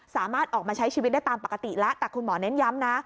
สามารถออกมาใช้ชีวิตได้ตามปกติแล้วแต่คุณหมอเน้นย้ำนะ